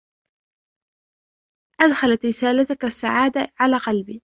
أدخلت رسالتك السعادة على قلبي.